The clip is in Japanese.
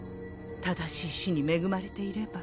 正しい師に恵まれていれば。